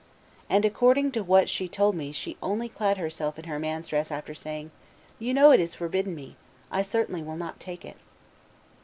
And according to what she told me she only clad herself in her man's dress after saying, 'You know it is forbidden me; I certainly will not take it.